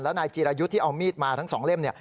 แล้วนายจีรายุทธ์ที่เอามีดมาทั้ง๒เล่ม